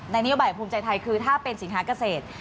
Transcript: นโยบายภูมิใจไทยคือถ้าเป็นสินค้าเกษตร